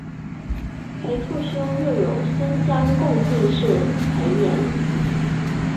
裴处休又有孙乡贡进士裴岩。